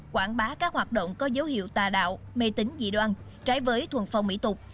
quảng bá các hoạt động có dấu hiệu tà đạo mê tính dị đoan trái với thuần phong mỹ tục